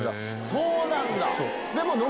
そうなんだ！